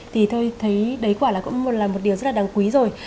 thì tôi thấy đấy quả là cũng là một điều rất là đáng quý rồi